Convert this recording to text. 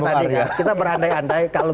tadi kita berandai andai kalau